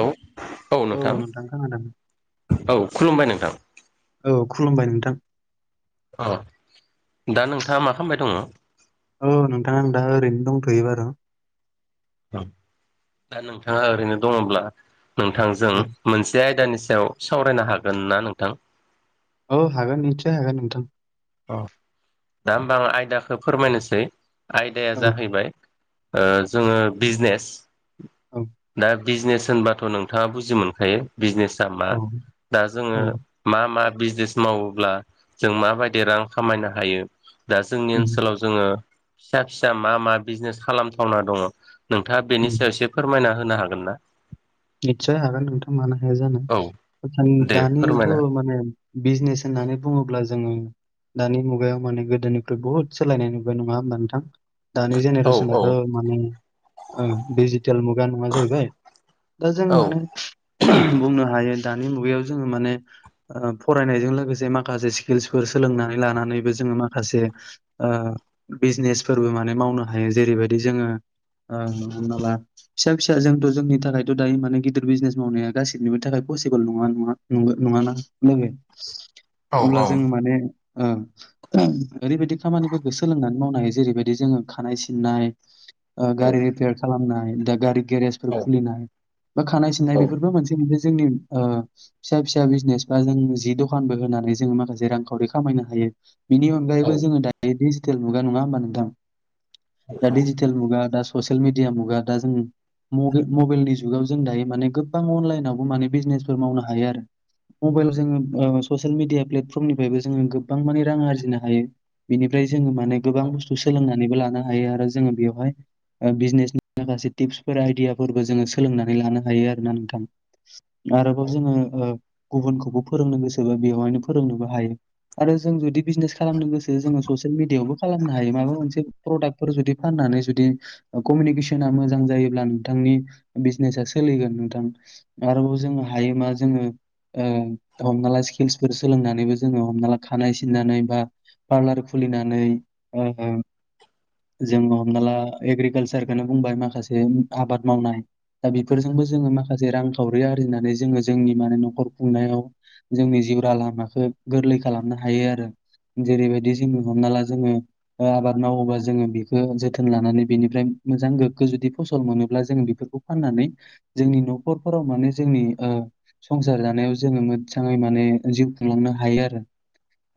औ औ नोंथां औ खुलुमबाय नोंथां औ खुलुमबाय नोंथां अ दा नोंथाङा मा खालामबाय दङ। औ नोंथां आं दा ओरैनो दंथ'यो बाराव दा नोंथाङा ओरैनो दङब्ला नोंथांजों औ मोनसे आयदानि सायाव सावरायनो हागोन ना नोंथां औ हागोन निसय हागोन नोंथां। औ दा होमबा आं आयदाखौ फोरमायनोसै आयदाया औ जाहैबाय ओ जोङो बिजनेस औ दा बिजनेस होनबाथ' नोंथाङा बुजि मोनखायो बिजनेसा मा औ दा औ जोङो मा मा बिजनेस मावोब्ला जों माबायदि रां खामायनो हायो। दा जोंनि उम ओनसोलाव जोङो फिसा फिसा मा मा बिजनेस खालामथावना दङ। नोंथाङा बेनि उम सायाव एसे फोरमायना होनो हागोन ना निस्सय हागोन नोंथां मानो हाया औ जानो दे दानिथ' फोरमायना माने बिजनेस होननानै बुङोब्ला जोङो दानि मुगायाव माने गोदोनिफ्रायु बुहुद सोलायनाय नुबाय नङा होमब नोंथां। दानि औ औ जेनेरेसनाथ' माने ओ डिजिटेल मुगा नङा जाहैबाय दा जों औ मानो बुंनो हायो दानि मुगायाव जोङो माने ओ फरायनायजों लोगोसे माखासे स्किल्सफोर सोलोंनानै लानानैबो जो ङो माखासे ओ बिजनेसफोरबो माने मावनो हायो जेरैबायदि जोङो ओ फिसा फिसा फिसाजोंथ' जोंनि थाखाय खिन्थु दायो माने गिदिर बिजनेस मावनाया गासिनिबो थाखाय पसिबोल नङा ना नङाना लोगो औ अब्ला औ जों माने ओ [unintelligible] ओरैबायदि खामानिफोरखौ सोलोंनानै मावनो हायो जेरैबायदि जोङो खानाय सिननाय ओ गारि रिपेयार खालामनाय दा गारि गेरेजफोर औ खुलिनाय बा खानाय सिननाय बेफोरबो मोनसे जोंनि ओ फिसा फिसा बिजनेस बा जों जि दखानबो होनानै जोंङो माखासे रांखावरि खामाय नो हायो बिनि औ अनगायैबो जोङो दायो डिजिटेल मुगा नङा होमबा नोंथां दा डिजिटेल मुगा दा ससेल मेदिया मुगा दा जोंनि मबे-मबेलनि जु जुगाव जों दायो माने गोबां अनलाइनावबो माने बिजनेसफोर मावनो हायो आरो मबाइल जोङो ओ ससियेल मिडिया प्लेटफर्मनिफ्रायबो जोङो गोबां माने रां आरजिनो हायो। बिनिफ्राय जोङो माने गोबां बुस्थु सोलोंना नानैबो लानो हायो आरो जोङो बेयावहाय ओ बिजनेस फारसे तिपसफोर आइदियाफोरबो जोङो सोलोंनानै लानो हायो आरोना नोंथां आरोबाव जोङो ओ गुबुनखौबो फोरोंनो गोसोबा बेवहायनो फोरोंनोबो हायो आरो जों जुदि बिजनेस खालामनो गोसो जोङो ससियेल मिडियावबो खालामनो हायो माबा मोनसे प्रडाक्ट फोर जुदि फाननानै जुदि कमिउनिकेसना मोजां जायोब्ला नोंथांनि बिजनेसा सोलिगोन नोंथां आरोबाव जों हायो मा जोङो ओम हमना ला स्किल्सफोर सोलोंनानैबो जोङो हमना ला खानाय सिननानै बा पार्लार खुलिनानै ओम जों हमना ला एग्रिकालसारखौनो बुंबाय माखासे आबाद मावनाय दा बेफोरजोंबो जोङो माखासे रांखावरि आरजिनानै जोङो जोंनि माने न'खर खुंनायाव जोंनि जिउराहा लामाखौ गोरलै खालामनो हायो आरो जेरैबायदि जों हमना ला जोङो आबाद मावोबा जोङो बेखौ जोथोन लानानै बेनिफ्राय मोजां गोग्गो जुदि फसल मोनोब्ला जों बेफोरखौ फाननानै जोंनि न'खरफोराव माने जोंनि ओ संसार जानायाव जोङो मोजाङै माने जिउ खुंलांनो हायो आरो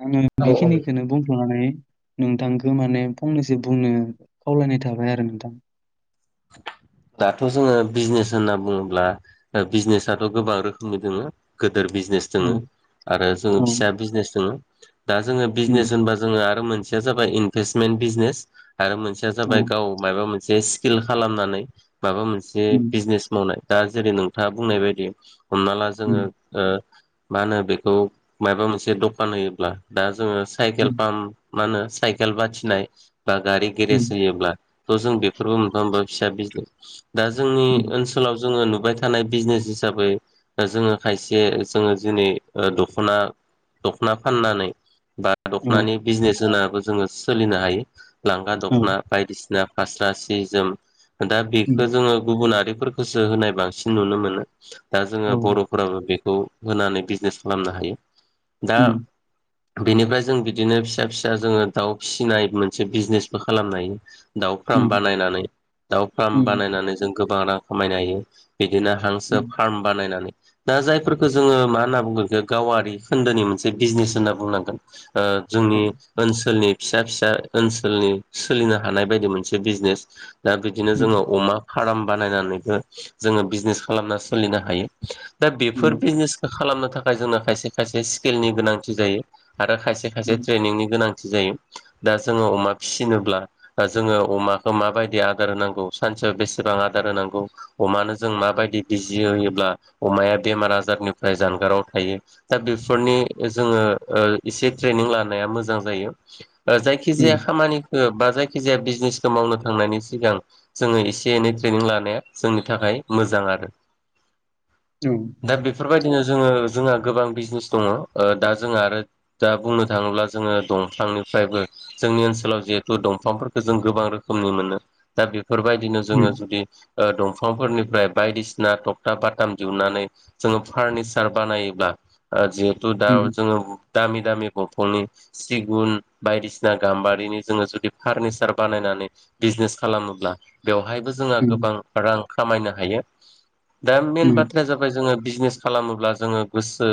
आङो बेखिनिखौनो बुंथ'नानै नोंथांखौ माने फंनैसो बुंनो खावलायनाय थाबाय आरो नोंथां। दाथ' जोङो बिजनेस होनना बुङोब्ला बिजनेसाथ' गोबां रोखोमनि दोङो गिदिर बिजनेस औ दङ आरो जोङो औ फिसा बिजनेस दङ। दा जोङो उम बिजनेस होनबा जोङो आरो मोनसेया जाबाय इनभेस्टमेन्ट बिजनेस आरो मोनसेया औ जाबाय गाव माबा मोनसे स्किल खालामनानै माबा मोनसे उम बिजनेस मावनाय। दा जेरै नोंथाङा बुंनाय बायदि हमना ला जोङो उम मा होनो बेखौ माबा मोनसे दखान होयोब्ला दा जोङो साइकेल उम पाम्प मा होनो साइकेल बाथिनाय बा गारि उम गेरेज होयोब्ला थ' जों बेफोरबो मोनफा-मोनफा फिसा बिजनेस दा जोंनि उम ओनसोलाव जोङो नुबाय थानाय बिजनेस हिसाबै जोङो खायसे जोङो दिनै दख'ना दखना फाननानै बा औ दख'नानि बिजनेस होनाबो जोङो सोलिनो हायो लांगा औ दख'ना बायदिसिना फास्रा सि-जोम दा बे उम जोङो गुबुनारिफोरखौसो होनाय बांसिन नुनो मोनो दा जोङो औ बर'फोराबो बे खौ होनानै बिजनेस खालामनो हायो दा उम बेनिफ्राय जों बिदिनो फिसा-फिसा जोङो दाउ फिसिनाय मोनसे बिजनेसबो खालामनो हायो। दाउ फार्म उम बानायनानै दाउ फार्म उम बानायनानै जों गोबां रां खामायनो हायो। बिदिनो हांसो उम फार्म बानायनानै दा जायफोरखौ जोङो मा होनना बुंगोन बे गावारि खोन्दोनि मोनसे बिजनेस होनना बुंनांगोन ओ औ जोंनि ओनसोलनि फिसा-फिसा ओनसोलनि सोलिनो हानाय बायदि मोनसे बिजनेस दा बिदिनो उम जोंनाव फार्म बानायनानैबो जोङो बिजनेस खालामना सोलिनो हायो। दा बेफोर उम बिजनेसखौ खालामनो थाखाय जोंना खायसे-खायसे स्केलनि गोनांथि जायो। आरो खायसे खायसे उम ट्रेनिंनि गोनांथि जायो दा जोङो अमा फिसिनोब्ला बा जोङो अमाखौ माबायदि आदार होनांगौ सानसेयाव बेसेबां आदार होनांगौ अमानो जों माबायदि बिजि होयोब्ला अमाया बेमार आजार निफ्राय जानगाराव थायो दा बेफोरनि जोङो ओ एसे ट्रेनिं लानाया मोजां जायो। जायो बा जायखि जाया उम खामानिखौ बा जायखि जाया बिजनेसखौ मावनो थांनायनि सिगां जोङो एसे एनै ट्रेनिं लानाया जोंनि थाखाय मोजां आरो औ उम दा बेफोरबायदि बिनो जोङो जोंहा गोबां बिजनेस दङ। दा जोंहा आरो दा बुंनो थाङोब्ला जोङो दंफां निफ्रायबो जोंनि ओनसोलाव जिहेथु दंफांफोरखौ जों गोबां रोखोमनि मोनो। दा बे फोरबायदिनो उम जोङो जुदि ओ बिफांफोरनिफ्राय बायदिसिना थखथा बाथाम दिहुननानै जोङो फार्निचार बानायोब्ला जिहेथु दा उम जोङो दामि दामि दंफांनि सिगुन बायदिसिना गाम्बारिनि जोङो जुदि फार्निचार बानायना नानै बिजनेस खालामोब्ला बेवहायबो जोंहा उम गोबां रां खामायनो हायो। दा मेन उम उम औ बाथ्राया जाबाय जोङो बिजनेस खालामोब्ला जोङो गोसो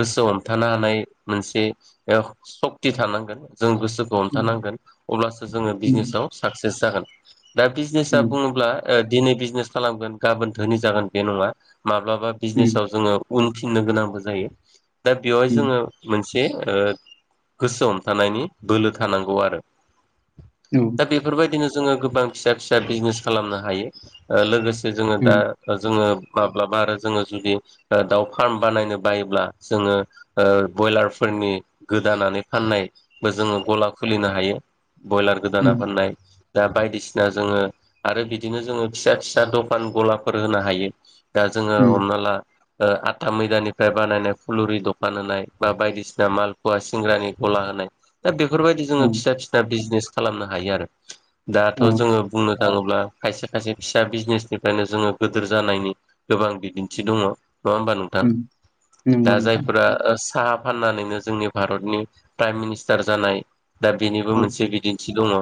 गोसो हमथानो हानाय मोनसे सत क्ति थानांगोन। जों गोसोखौ उम हमथानांगोन अब्लासो जोङो उम बिजनेसाव साक्सेस जागोन। दा बिजनेसा बुङोब्ला, ओ दिनै बिजनेस खालामगोन गाबोन धोनि जागोन बे नङा। माब्लाबा बिजनेसाव जोङो उनफिननो गोनांबो जायो। दा बेवहाय जोङो मोनसे से गोसो हमथानायनि बोलो थानांगौ आरो। दा बेफोरबायदिनो जोङो गोबां फिसा फिसा बिजनेस खालामनो हायो। ओ लोगोसे से जोङो दा जोङो माब्लाबा आरो जोङो जुदि ओ दाउ फार्म बानायनो बायोब्ला, जोङो बयलारफोरनि नि गोदानानै फाननायबो जोङो गला खुलिनो हायो। बयलार गोदाना फाननाय। दा बायदिसि ना जोङो, आरो बिदिनो जोङो फिसा फिसा दखान गलाफोर होनो हायो। दा जोङो हमना ला ओ आथा मैदानिफ्राय बानायनाय फुलुरि दखान होनाय बा बायदिसिना मालफुवा सिंग्रानि गला होनाय नाय दा बेफोरबायदि जोङो उम फिसा फिसा बिजनेस खालामनो हायो आरो। दाथ' औ जोङो बुंनो थाङोब्ला खायसे खायसे फिसा बिजनेसनिफायनो जोङो गोदोर जानायनि गोबां बिदिन्थि दङ'। नङा होमबा नोंथां? उम दा नंगौ नोंथां जायफोरा साहा फाननानैनो जोंनि भारतनि प्राइम मिनिस्टार जानाय। दा बेनिबो औ मोनसे बिदिन्थि दङ‌'।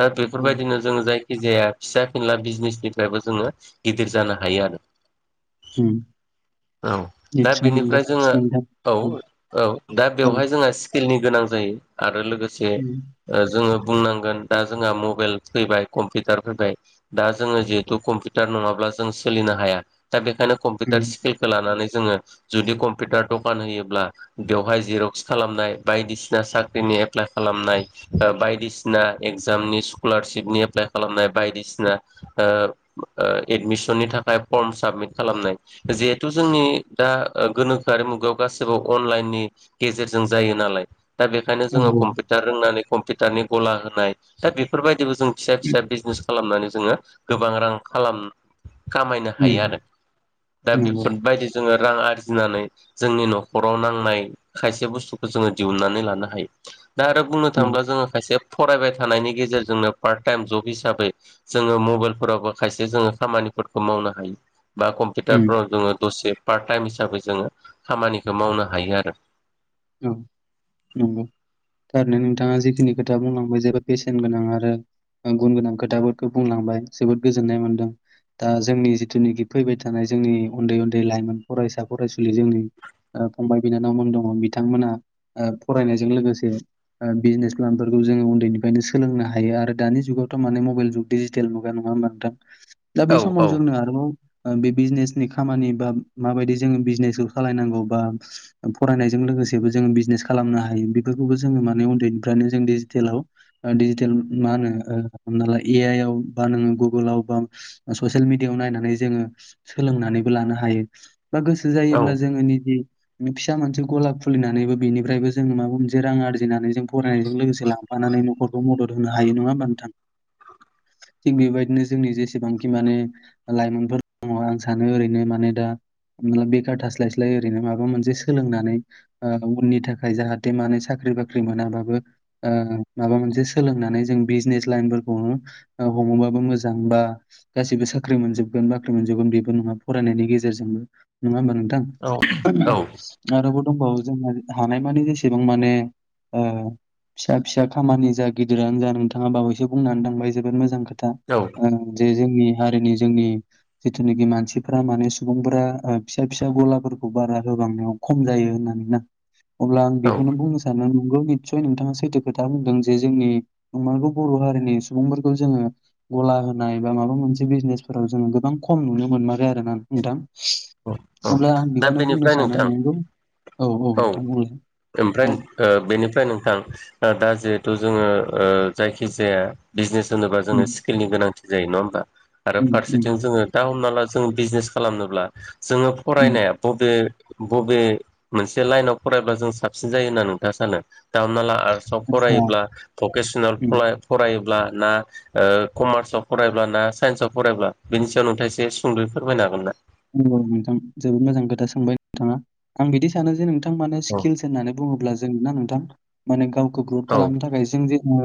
दा औ बेफोरबाय जों जायखि जाया फिसा फिनला बिजनेसनिफ्रायबो जोङो गिदिर जानो हायो आरो। उम। औ। दा निस्सय नंगौ बेनिफ्राय जोङो, औ नोंथां। औ दा औ बेवहाय जोंहा स्किलनि गोनां जायो आरो लोगोसे उम ओ जोङो बुंनांगोन दा जोंहा मबाइल फैबाय कम्पिउटार फैबाय, दा जोङो जिहेतु कम्पिउटार नङाब्ला जों सोलिनो हाया। दा बे खायनो कम्पिउटार उम स्किलखौ लानानै जोङो जुदि कम्पिउटार दखान होयोब्ला, बेवहाय जिरक्स खालामनाय बायदिसिना साख्रिनि नि एप्लाइ खालामनाय, बायदिसिना एकजामनि स्कलारसिपनि एप्लाइ खालामनाय बायदिसिना ओ ओ एडमिसननि थाखाय फर्म साबमिट मिट खालामनाय, जिहेतु जोंनि दा गोनोखोआरि मुगायाव गासिबो अनलाइननि गेजेर जों जायो नालाय, दा बेखायनो औ जोङो कम्पिउटार रोंनानै कम्पिउटारनि गला होनाय दा बेफोरबायदि दिबो फिसा फिसा बिजनेस खालामनानै जोङो गोबां रां खालाम खामायनो हायो उम आरो। दा नंगौ बेफोरबायदि जोङो रां आरजिनानै जोंनि न'खराव नांनाय खायसे बुस्थुखौ जोङो दिहुनन्नानै लानो हायो। दा आरो बुंनो उम थाङोब्ला जोङो खायसे फरायबाय थानायनि गेजेर जोंनो पार्ट टाइम जब हिसाबै जोङो मबाइलफोरावबो खायसे जोङो खामानिफोरखौ मावनो हायो। बा उम कम्पिउटारफ्राव जोङो दसे पार्ट टाइम हिसाबै जोङो खामानिखौ मावनो हायो आरो। औ नंगौ। थारैनो नोंथाङा जिखिनि खोथा बुंलांबाय जोबोद बेसेन गोनां आरो ओ गुन गोनां खोथाफोरखौ बुंलांबाय। जोबोद गोजोननाय मोन्दों। दा जोंनि जिथुनाखि फैबाय थानाय जोंनि उन्दै उन्दै लाइमोन फरायसा फरायसुलि जोंनि ओ फंबाय बिनानावमोन दङ'। बिथांमोना फरायनायजों लोगोसे ओ बिजनेस प्लानफोरखौ जोङो उन्दैनिफायनो सोलोंनो हायो आरो दानि जुगाव'थ माने मबाइल जुग डिजिटेल मुगा नङा होवबा नोंथां? दा बे औ समाव औ जोंनो आरोबाव ओ बे बिजनेसनि खामानि बा माबायदि जोङो बिजनेसखौ सालायनांगौ बा फरायनायजों लोगोसे बेबो जों बिजनेस खालामनो हायो। बेफोरखौबो जों माने उन्दैनिफ्रायनो जों डिजिटेलाव डिजिटेल उम मा मा होनो ए आइ आव बा नोङो गुगोलाव बा ससियेल मिडियाव नायनानै जोङो सोलोंनानैबो लानो हायो। बा गोसो औ जायोब्ला जोङो निजे फिसा मोनसे गला खुलिनानैबो बेनिफ्रायबो जोङो माबा मोनसे रां आरजिनानै जों फरायनायजों लोगोसे लांफानानै न'खरखौ मदद होनो हायो। नङा होनबा नोंथां? [inaudible] थिग बेबायदिनो जोंनि जेसेबांखि माने लाइमोनफोर दङ आं सानो ओरैनो माने दा बेखार थास्लाय स्लाय ओरैनो माबा मोनसे सोलोंनानै ओ उननि थाखाय जाहाथे माने साख्रि बाख्रि मोनाबाबो ओ माबा मोनसे सोलोंनानै जों बिजनेस लाइनफोरखौ ओ हमोबाबो मोजां बा गासिबो साख्रि मोनजोबगोन बाख्रि मोनजोबगोन बिदि नङा फरायनायनि गेजेरजोंबो नङा होनबा नोंथां? औ आरो जोंहा हानायमानि जेसेबां माने ओ फिसा फिसा खामानि जा गिदिरानो जा नोंथाङा बावैसो बुंनानै थांबाय जोबोद मोजां खोथा औ था ओ जे जोंनि हारिनि जोंनि जिथुनाखि मानसिफोरा माने सुबुंफोरा ओ फिसा फिसा गलाफोरखौ बारा मानोना खम जायो होननानै ना। अब्ला आं औ बेखौनो बुंनो सानो नंगौ निसय नोंथाङा सैथो खोथा बुंदों जे जोंनि नंमारगौ बर' हारिनि सुबुंफोरखौ जोङो गला होनाय बा माबा मोनसे बिजनेसफोराव जोङो गोबां खम नुनो मोनमारो आरोना नोंथां। औ अब्ला आं दा बेखौनो बुंनो बेनिफ्राय सानो नोंथां नंगौ औ ओमफ्राय औ ओ बेनिफ्राय नोंथां दा जिहेथु जोङो ओ जायखि जाया बिजनेस होनोबा जोंनो उम स्किलनि गोनांथि जायो नङा होमबा? आरो उम उम फारसेथिं जोङो दा हमना ला जों बिजनेस खालामनोब्ला जोङो उम फरायनाया बबे बबे मोनसे लाइनाव फरायबा जों साबसिन जायो होनना नोंथाङा सानो? दा हमनानै ला आर्टसआव आतसा फरायोब्ला भकेसनेल उम फरायोब्ला ना ओ कमार्सआव फरायब्ला ना साइन्सआव फरायब्ला बिनि सायाव नोंथाङा एसे सुंद'यै फोरमायनो हागोन ना? बुंगोन‌ नोंथां जोबोद मोजां खोथा सोंबाय नोंथाङा आं बिदि सानो जे नोंथां माने औ स्किलस होननानै बुङोब्ला जों ना नोंथां माने गावखौ ग्रथ औ खालामनो थाखाय जों जे ओ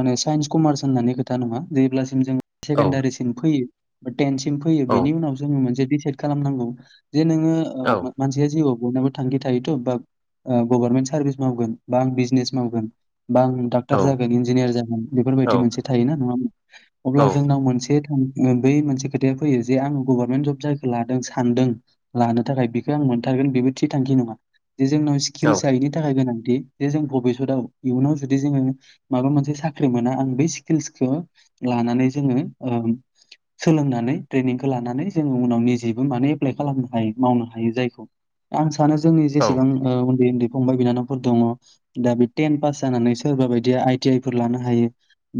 माने साइन्स कमार्स होननानै खोथा नङा जेब्लासिम जों औ सेकेण्डारिसिम फैयो बा टेनसिम फैयो औ बिनि उनाव जोङो मोनसे दिसाइद खालामनांगौ जे नोङो ओ मानसिया जिउआव बयनाबो थांखि थायोथ' बा ओ गभारर्नमेन्ट सार्भिस मावगोन बा आं बिजनेस मावगोन बा आं डाक्टार औ जागोन इन्जिनियार जागोन बेफोरबायदि मोनसे थायोना नङा होनबा अब्ला औ जोंनाव मोनसे ओ बै मोनसे खोथाया फैयो जे आं गभर्नमेन्ट जब जाय लादों सानदों लानो थाखाय बेखौ आं मोनथारगोन बेबो थि थांखि नङा। जे जोंनाव स्किलआ बेनि थाखाय गोनां थि जे जों भबिसतआव इयुनाव जुदि जोङो माबा मोनसे साख्रि मोना आं बेै स्किल्सखौ लानानै जोङो ओ सोलोंनानै ट्रेनिंखौ लानानै जोङो उनाव नि दिग्रि माने एप्लाय खालामनो हायो मावनो हायो जायखौ आं सानो जोंनि औ जेसेबां ओ उन्दै उन्दै फंबाय बिनानावफोर दङ दा बे टेन पास जानानै सोरबा बायदिया आइ टि आइ फोर लानो हायो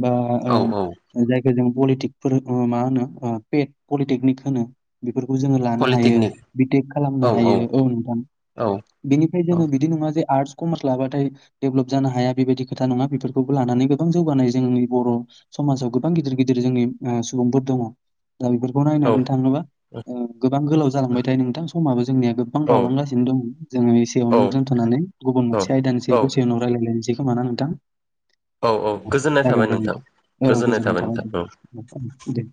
बा औ औ ओ जायखौ जों पलिटिकफोर मा होनो पेट पलिटेकनिक होनो बेफोरखौ जोङो लानो हायो पलिटेकनिक बि टेक खालामनो हायो। औ नोंथां। औ बिनिफ्राय औ जेनङ' बिदि नङा जे आर्टस कमार्स लाबाथाय डेभलप जानो हाया बेबायदि खोथा नङा बेफोरखौबो लानानै गोबां जौगानाय हायो जोंनि बर' समाजाव गोबां गिदिर गिदिर जोंनि ओ सुबुंफोर दङ दा बेफोरखौ औ नायनानै थाङोबा ओ गोबां गोलाव जालांबायथाय नोंथां समाबो जोंनिया गोबां बावलांगासिनो दङ। जोङो औ एसेयावनो दोनथ'नानै गुबुन मोनसे आयदानि औ सायाव दसे उनाव रायज्लायबावनोसै खोमाना नोंथां? औ ओ गोजोननाय थाबाय जागोन दे नोंथां। औ गोजोननाय थाबाय दे दे।